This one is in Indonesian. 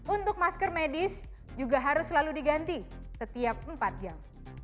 untuk masker medis juga harus selalu diganti setiap empat jam